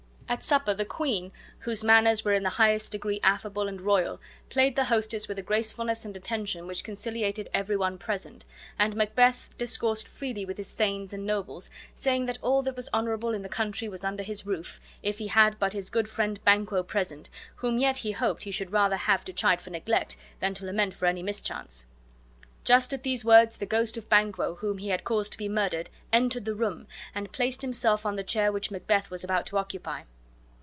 At supper, the queen, whose manners were in the highest degree affable and royal, played the hostess with a gracefulness and attention which conciliated every one present, and Macbeth discoursed freely with his thanes and nobles, saying that all that was honorable in the country was under his roof, if he had but his good friend Banquo present, whom yet he hoped he should rather have to chide for neglect than to lament for any mischance. just at these words the ghost of Banquo, whom he had caused to be murdered, entered the room and placed himself on the chair which Macbeth was about to occupy.